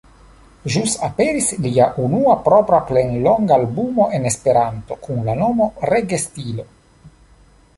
Ĵus aperis lia unua propra plenlonga albumo en Esperanto kun la nomo Regestilo.